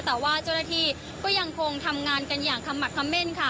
แต่ว่าเจ้าหน้าที่ก็ยังคงทำงานกันอย่างขมักคำเม่นค่ะ